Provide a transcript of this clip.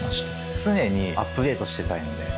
常にアップデートしてたいので。